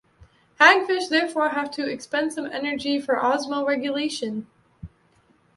Hagfish therefore have to expend some energy for osmoregulation.